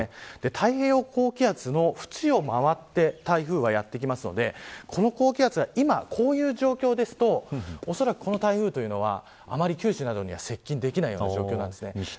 太平洋高気圧の縁を回って台風はやってくるのでこの高気圧が今こういう状況だとおそらくこの台風は九州などにあまり接近できない状況です。